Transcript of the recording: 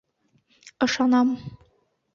«Ышанам!»